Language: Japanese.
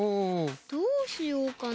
どうしようかな？